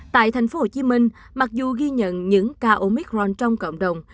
tại thành phố hồ chí minh mặc dù ghi nhận những ca omicron trong cộng đồng